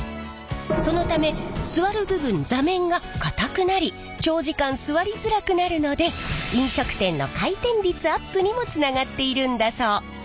そのため座る部分座面が硬くなり長時間座りづらくなるので飲食店の回転率アップにもつながっているんだそう。